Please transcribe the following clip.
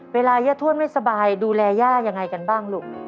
ย่าทวดไม่สบายดูแลย่ายังไงกันบ้างลูก